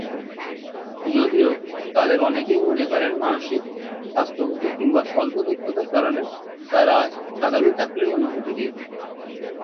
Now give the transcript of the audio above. যদিও, তাদের অনেকেই মনে করে মানসিক, স্বাস্থ্যগত কিংবা স্বল্প-দক্ষতার কারণে তারা সাধারণ চাকুরির অনুপযোগী।